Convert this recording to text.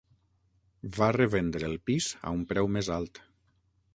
Va revendre el pis a un preu més alt.